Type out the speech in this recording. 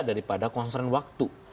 daripada constraint waktu